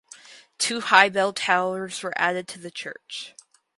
Two high bell towers were added to the church.